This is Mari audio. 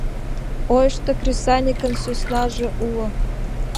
Ойышто, кресаньыкын сӧснаже уло.